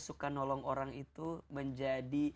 suka nolong orang itu menjadi